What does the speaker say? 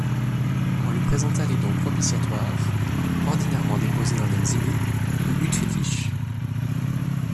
On lui présenta les dons propitiatoires, ordinairement déposés dans les « mzimu » ou huttes-fétiches.